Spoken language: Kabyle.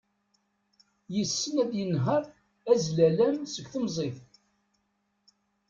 Yessen ad yenher azlalam seg temẓit.